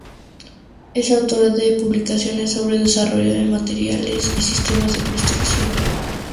Es autora de publicaciones sobre desarrollo de materiales y sistemas de construcción.